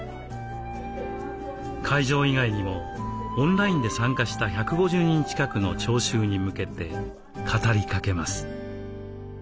会場以外にもオンラインで参加した１５０人近くの聴衆に向けて語りかけます。